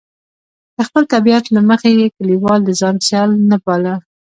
د خپل طبیعت له مخې یې کلیوال د ځان سیال نه باله.